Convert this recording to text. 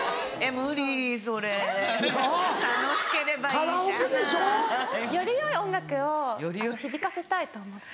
カラオケでしょ？よりよい音楽を響かせたいと思って。